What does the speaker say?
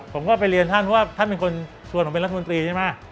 ผมก็ไปเรียนท่านเพราะว่าท่านเป็นคนชวนผมเป็นรัฐมนตรีใช่ไหม